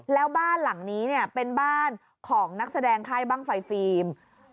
แล้วบ้านหลังนี้เนี่ยเป็นบ้านของนักแสดงค่ายบ้างไฟฟิล์ม